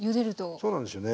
そうなんですよね。